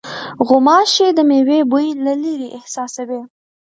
غوماشې د مېوې بوی له لېرې احساسوي.